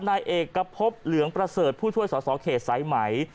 นายเอกพบเหลืองประเสริฐผู้ช่วยสอสอเขตสายไหม